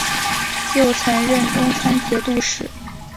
又曾任东川节度使。